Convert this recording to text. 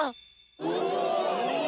お！